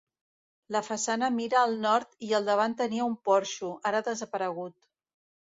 La façana mira al nord i al davant tenia un porxo, ara desaparegut.